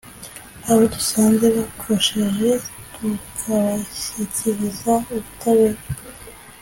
abo dusanze bakosheje tukabashyikiriza ubutabera